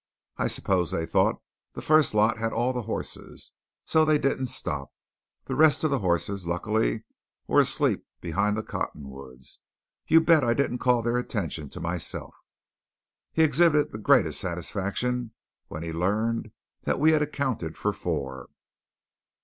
I suppose they thought the first lot had all the hosses, and so they didn't stop. The rest of the hosses, luckily, was asleep behind the cottonwoods. You bet I didn't call their attention to myself." He exhibited the greatest satisfaction when he learned that we had accounted for four.